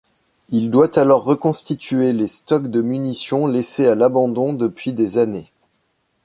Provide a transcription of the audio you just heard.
Il doit alors reconstituer les stocks de munitions laissés à l'abandon depuis des années.